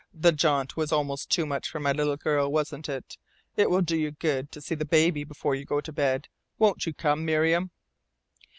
"The jaunt was almost too much for my little girl, wasn't it? It will do you good to see the baby before you go to bed. Won't you come, Miriam?"